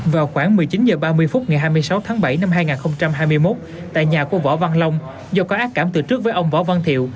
vào khoảng một mươi chín h ba mươi phút ngày hai mươi sáu tháng bảy năm hai nghìn hai mươi một tại nhà của võ văn long do có ác cảm từ trước với ông võ văn thiệu